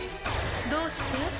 どうして？